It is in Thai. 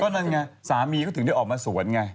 นั่นไงสามีก็ถึงได้ออกมาสวนไง